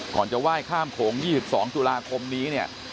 ก่อนจะไหว้ข้ามโขง๒๒จุฬาคมนี้นี่